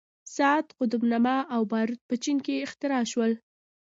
ساعت، قطب نما او باروت په چین کې اختراع شول.